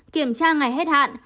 kiểm tra ngày hết hạn